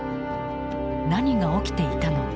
何が起きていたのか。